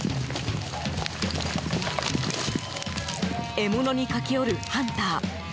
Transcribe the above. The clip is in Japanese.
獲物に駆け寄るハンター。